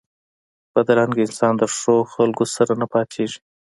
بدرنګه انسان د ښو خلکو سره نه پاتېږي